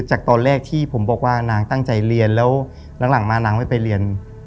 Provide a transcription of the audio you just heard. จากตอนแรกที่ผมบอกว่านางตั้งใจเรียนแล้วหลังมานางไม่ไปเรียน